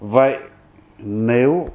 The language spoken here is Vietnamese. vậy nếu với tất cả những người không thành công